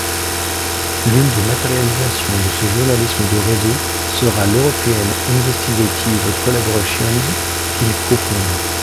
L'une des matérialisations de ce journalisme de réseaux sera l'European Investigative Collaborations qu'il co-fonde.